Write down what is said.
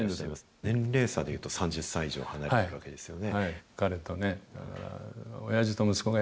年齢差でいうと、３０歳以上離れているわけですよね。